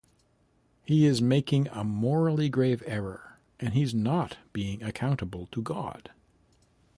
He is making a morally grave error and he's not being accountable to God...